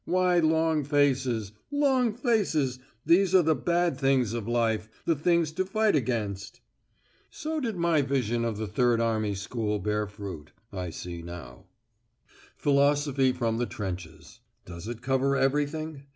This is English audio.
Why long faces? Long faces, these are the bad things of life, the things to fight against...." So did my vision of the Third Army School bear fruit, I see now! "Philosophy from the trenches. Does it cover everything?